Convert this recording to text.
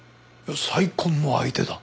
再婚の相手だ。